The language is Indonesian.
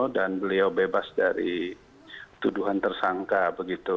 dan beliau bebas dari tuduhan tersangka begitu